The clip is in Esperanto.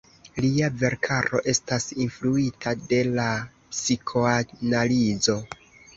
Lia verkaro estas influita de la psikoanalizo.